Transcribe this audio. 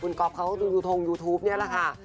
คุณก๊อปเขาทรงยูทูปเนี่ยแหละค่ะ